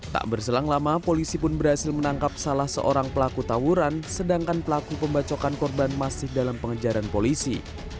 tak berselang lama polisi pun berhasil menangkap salah seorang pelaku tawuran sedangkan pelaku pembacokan korban masih dalam pengejaran polisi